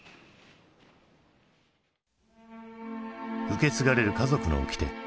受け継がれる家族のおきて。